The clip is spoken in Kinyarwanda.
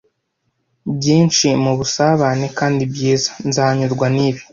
Byinshi mubusabane kandi byiza, Nzanyurwa nibi.